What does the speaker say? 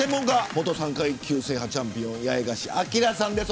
元３階級制覇チャンピオン八重樫東さんです。